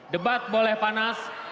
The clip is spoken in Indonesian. debat boleh panas